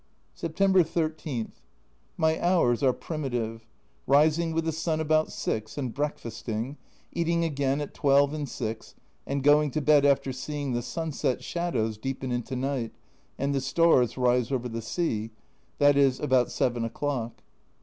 September 13. My hours are primitive : rising with the sun about 6, and breakfasting ; eating again at 12 and 6, and going to bed after seeing the sunset shadows deepen into night and the stars rise over the sea i.e. about 7 o'clock.